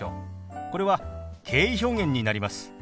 これは敬意表現になります。